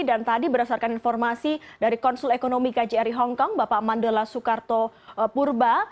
dan tadi berdasarkan informasi dari konsul ekonomi kjri hongkong bapak mandala soekarto purba